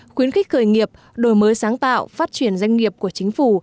khuyến khích khởi nghiệp đổi mới sáng tạo phát triển doanh nghiệp của chính phủ